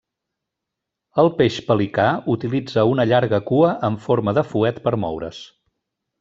El peix pelicà utilitza una llarga cua amb forma de fuet per moure's.